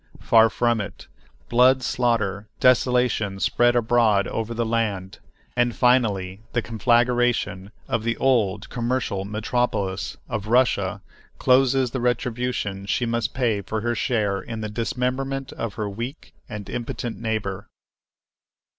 Far from it. Blood, slaughter, desolation spread abroad over the land, and finally the conflagration of the old commercial metropolis of Russia closes the retribution she must pay for her share in the dismemberment of her weak and impotent neighbor.